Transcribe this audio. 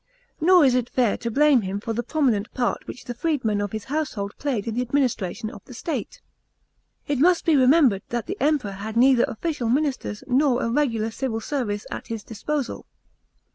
Nor is it fair to blame him for the prominent part which the freed men of his household played in the administration of the state, it must be remembered that the Emperor had neither official ministers nor a regular civil service at his disposal.